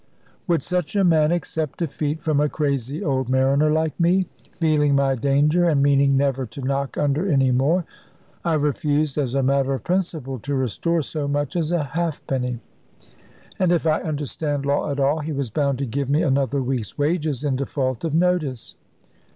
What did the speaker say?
Would such a man accept defeat from a crazy old mariner like me? Feeling my danger, and meaning never to knock under any more, I refused, as a matter of principle, to restore so much as a halfpenny; and if I understand law at all, he was bound to give me another week's wages, in default of notice.